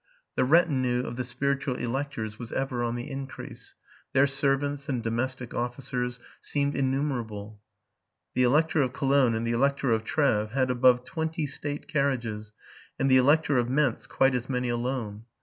The retinue of the spiritual electors was ever on the increase, — their servants and domestic officers seemed innumerable : the Elector of Cologne and the Elector of Treves had above twenty state carriages, and the Elector of Mentz quite as 158 TRUTH AND FICTION many alone.